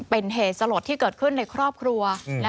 เป็นเหตุสลดที่เกิดขึ้นในครอบครัว